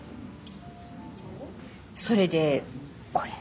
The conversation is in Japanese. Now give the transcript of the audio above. それでこれ。